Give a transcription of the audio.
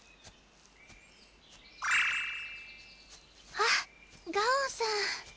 あっガオンさん。